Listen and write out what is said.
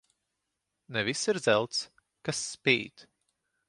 Ne viss ir zelts, kas spīd.